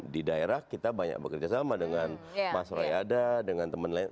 di daerah kita banyak bekerja sama dengan mas roy ada dengan teman lain